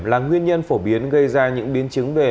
là nguyên nhân phổ biến gây ra những biến chứng về